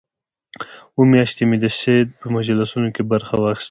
اووه میاشتې مې د سید په مجلسونو کې برخه واخیسته.